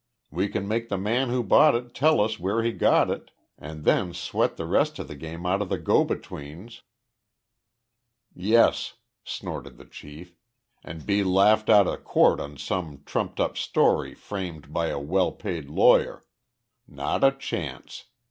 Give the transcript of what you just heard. "We can make the man who bought it tell us where he got it and then sweat the rest of the game out of the go betweens." "Yes," snorted the chief, "and be laughed out of court on some trumped up story framed by a well paid lawyer. Not a chance!